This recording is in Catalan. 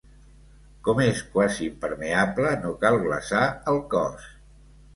Com és quasi impermeable, no cal glaçar el cos.